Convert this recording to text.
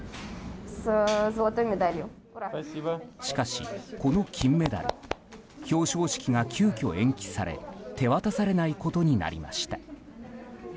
しかし、この金メダル表彰式が急きょ延期され手渡されないことになりました。